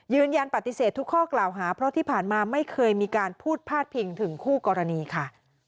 ยืนยันปฏิเสธทุกข้อกล่าวหาเพราะที่ผ่านมาไม่เคยมีการพูดพาดพิงถึงคู่กรณีค่ะ